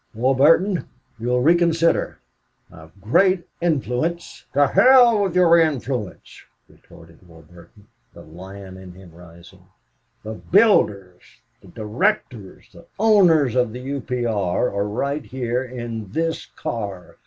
"Warburton! You'll reconsider. I have great influence " "To hell with your influence!" retorted Warburton, the lion in him rising. "The builders the directors the owners of the U. P. R. are right here in this car.